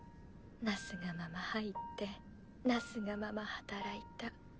なすがまま入ってなすがまま働いた。